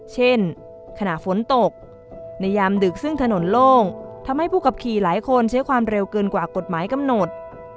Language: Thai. เช่นขณะฝนตกในยามดึกซึ่งถนนโล่งทำให้ผู้ขับขี่หลายคนใช้ความเร็วเกินกว่ากฎหมายกำหนด